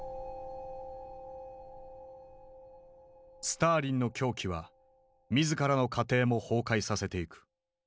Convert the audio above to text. スターリンの狂気は自らの家庭も崩壊させていく。